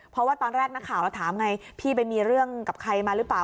เพราะว่าตอนแรกนักข่าวเราถามไงพี่ไปมีเรื่องกับใครมาหรือเปล่า